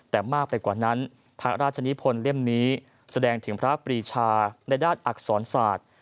แต่มากไปกว่านั้นพระราชนิพลเล่มนี้แสดงถึงพระปรีชาในด้านอักษรศาสตร์